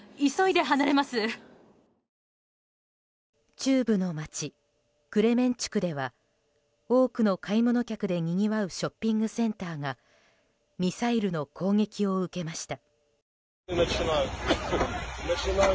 中部の街クレメンチュクでは多くの買い物客でにぎわうショッピングセンターがミサイルの攻撃を受けました。